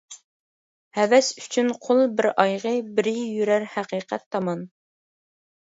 ھەۋەس ئۈچۈن قۇل بىر ئايىغى، بىرى يۈرەر ھەقىقەت تامان.